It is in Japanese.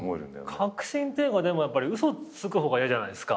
確信っていうかでもやっぱり嘘つく方がやじゃないですか。